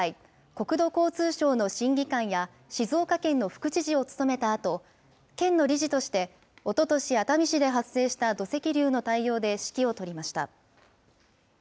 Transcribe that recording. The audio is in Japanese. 国土交通省の審議官や静岡県の副知事を務めたあと、県の理事として、おととし、熱海市で発生した土石流の対応で指揮を執りました。